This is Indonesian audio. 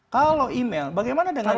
kalau email bagaimana dengan